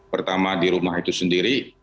pertama di rumah itu sendiri